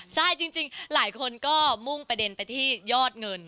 ใช่จริงหลายคนก็มุ่งประเด็นไปที่ยอดเงิน